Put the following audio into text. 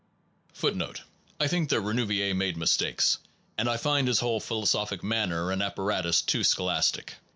1 1 I think that Renouvier made mistakes, and I find his whole philo sophic manner and apparatus too scholastic.